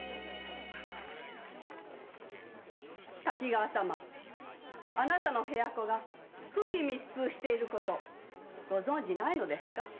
滝川様部屋子が不義密通していることご存じないのですか？